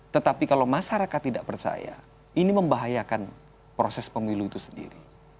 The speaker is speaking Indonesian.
tetapi kalau masyarakat tidak percaya ini membahayakan proses pemilu itu sendiri